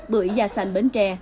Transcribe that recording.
bưởi da sành bến tre